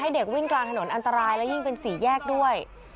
เด็กวิ่งกลางถนนอันตรายและยิ่งเป็นสี่แยกด้วย